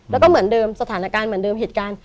แล้วก็เหมือนเดิมสถานการณ์เหมือนเดิมเหตุการณ์